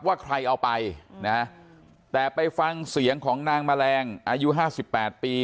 ว่าใครเอาไปนะแต่ไปฟังเสียงของนางแมลงอายุห้าสิบแปดปี